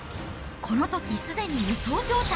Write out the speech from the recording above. このときすでに無双状態。